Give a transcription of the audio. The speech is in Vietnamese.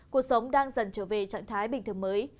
cuộc sống đang dần trở về trạng thái bình thường mới